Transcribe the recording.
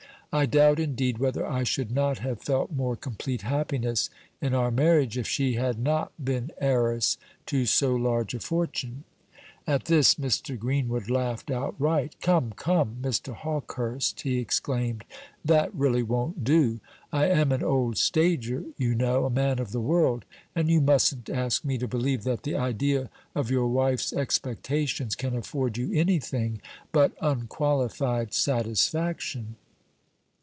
I doubt, indeed, whether I should not have felt more complete happiness in our marriage if she had not been heiress to so large a fortune." At this Mr. Greenwood laughed outright. "Come, come, Mr. Hawkehurst," he exclaimed, "that really won't do. I am an old stager, you know a man of the world; and you mustn't ask me to believe that the idea of your wife's expectations can afford you anything but unqualified satisfaction."